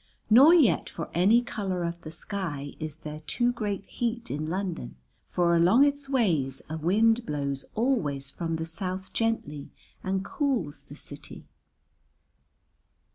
Nor yet for any colour of the sky is there too great heat in London, for along its ways a wind blows always from the South gently and cools the city.